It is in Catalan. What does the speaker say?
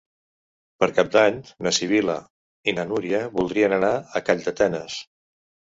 Per Cap d'Any na Sibil·la i na Núria voldrien anar a Calldetenes.